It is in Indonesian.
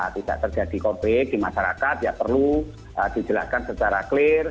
tidak terjadi konflik di masyarakat ya perlu dijelaskan secara clear